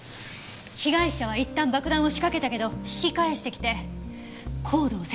被害者はいったん爆弾を仕掛けたけど引き返してきてコードを切断したの。